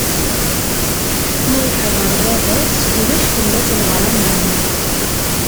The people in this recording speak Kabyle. Ma yeḥdeṛ bab-is, ulac fell-as leɣrama.